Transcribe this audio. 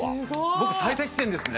僕最多出演ですね。